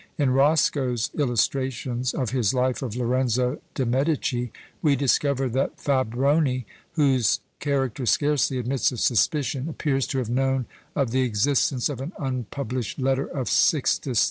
In Roscoe's "Illustrations" of his Life of Lorenzo de' Medici, we discover that Fabroni, whose character scarcely admits of suspicion, appears to have known of the existence of an unpublished letter of Sixtus IV.